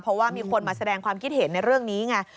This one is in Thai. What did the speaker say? เพราะว่ามีคนมาแสดงความคิดเห็นในเรื่องนี้ไง